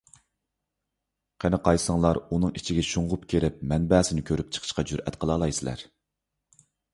قېنى، قايسىڭلار ئۇنىڭ ئىچىگە شۇڭغۇپ كىرىپ مەنبەسىنى كۆرۈپ چىقىشقا جۈرئەت قىلالايسىلەر؟